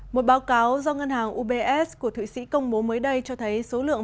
một báo cáo do ngân hàng ubs của thụy sĩ công bố mới đây cho thấy số lượng